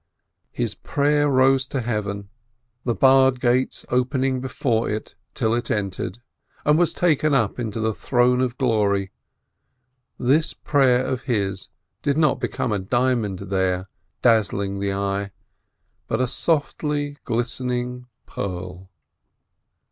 His prayer that rose to Heaven, the barred gates opening before it till it entered and was taken up into the Throne of Glory, this prayer of his did not become a diamond there, dazzling the eye, but a softly glistening pearl.